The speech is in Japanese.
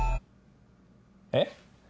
えっ？